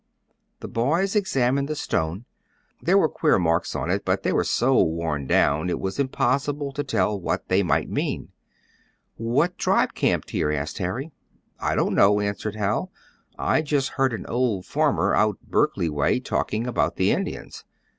The boys examined the stone. There were queer marks on it, but they were so worn down it was impossible to tell what they might mean. "What tribe camped here?" asked Harry. "I don't know," answered Hal. "I just heard an old farmer, out Berkley way, talking about the Indians.